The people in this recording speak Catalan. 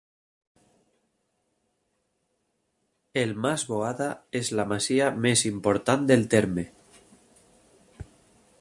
El Mas Boada és la Masia més important del terme.